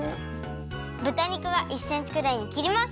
ぶたにくは１センチくらいにきります！